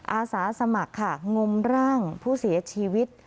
อาสาสมัครค่ะงมร่างผู้เสียชีวิต